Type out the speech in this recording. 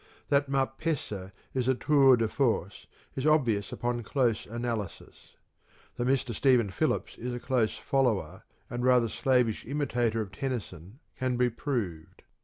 That " Mar pessa " is a tour de force is obvious upon close analysis ; that Mr. Stephen Phillips is a close follower and rather slavish imitator of Tennyson can be proved.